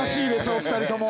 お二人とも。